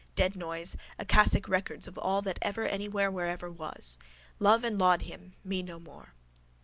Dead noise. Akasic records of all that ever anywhere wherever was. Love and laud him: me no more.